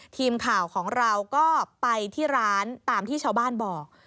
ทีมข่าวของเราก็ไปที่ร้านตามที่ชาวบ้านบอก